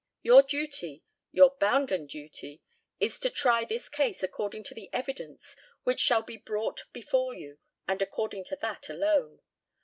Your duty your bounden duty is to try this case according to the evidence which shall be brought before you, and according to that alone.